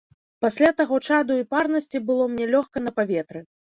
Пасля таго чаду і парнасці было мне лёгка на паветры.